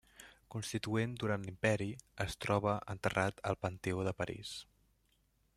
Constituent durant l'Imperi, es troba enterrat al Panteó de París.